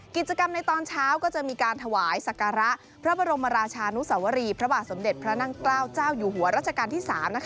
กิจกรรมในตอนเช้าก็จะมีการถวายศักระพระบรมราชานุสวรีพระบาทสมเด็จพระนั่งเกล้าเจ้าอยู่หัวรัชกาลที่๓